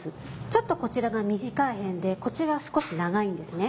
ちょっとこちらが短い辺でこちらは少し長いんですね。